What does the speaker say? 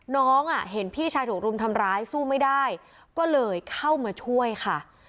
น้องเห็นพี่ชายถูกรุมทำร้ายสู้ไม่ได้ก็เลยเข้ามาช่วยค่ะ